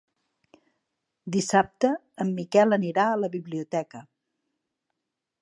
Dissabte en Miquel anirà a la biblioteca.